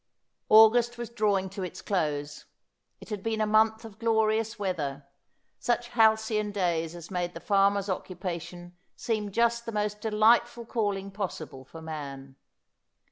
August was drawing to its close. It had been a month of glorious weather, such halcyon days as made the farmer's occupation seem just the most delightful calling possible for man.